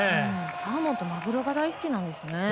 サーモンとマグロが大好きなんですね。